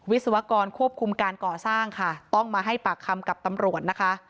วิศวกรควบคุมการก่อสร้างค่ะต้องมาให้ปากคำกับตำรวจนะคะ